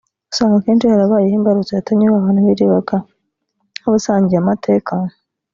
usanga akenshi harabaheyo imbarutso yatumye ba bantu birebaga nk’abasangiye amateka